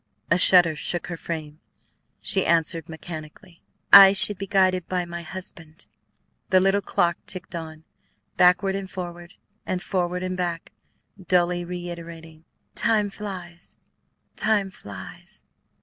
A shudder shook her frame; she answered mechanically, "I should be guided by my husband." The little clock ticked on, backward and forward, and forward and back, dully reiterating, "Time flies, time flies."